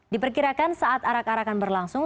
diperkirakan saat arak arakan berlangsung